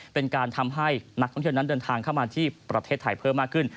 เป็นการทำให้นักท่องเที่ยวนั้นเดินทางเข้ามาที่ประเทศไทยเพิ่มมากขึ้น